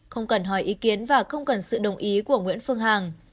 không cần hỏi ý kiến và không cần sự đồng ý của nguyễn phương hằng